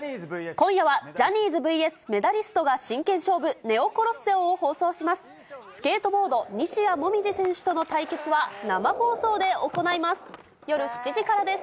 今夜は、ジャニーズＶＳメダリストが真剣勝負ネオコロッセオを放送します。